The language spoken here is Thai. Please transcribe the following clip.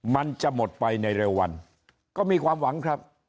มันจะหมดไปในเร็ววันก็มีความหวังครับ